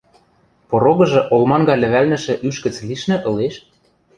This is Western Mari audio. – Порогыжы олманга лӹвӓлнӹшӹ ӱш гӹц лишнӹ ылеш?